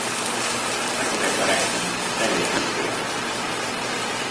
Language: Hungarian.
Fekete karácsony, fehér húsvét.